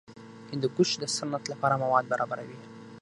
هندوکش د صنعت لپاره مواد برابروي.